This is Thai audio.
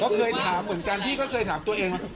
ก็เคยถามเหมือนกันพี่ก็เคยถามตัวเอง